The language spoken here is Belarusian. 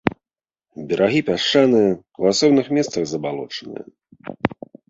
Берагі пясчаныя, у асобных месцах забалочаныя.